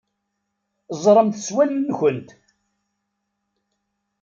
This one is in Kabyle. Ẓremt s wallen-nkent.